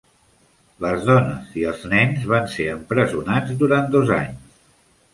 Les dones i els nens van ser empresonats durant dos anys.